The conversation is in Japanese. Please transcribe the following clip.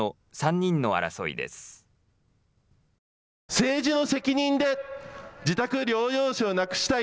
政治の責任で自宅療養者をなくしたい。